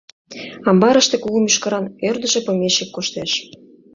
Амбарыште кугу мӱшкыран, ӧрдышӧ помещик коштеш.